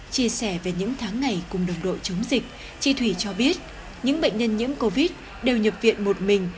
chia sẻ về những tháng ngày cùng đồng đội chống dịch chị thủy cho biết những bệnh nhân nhiễm covid đều nhập viện một mình